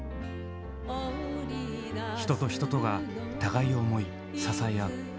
人と人とが互いを思い支え合う。